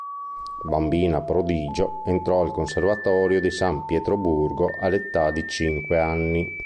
Bambina prodigio, entrò al conservatorio di San Pietroburgo all'età di cinque anni.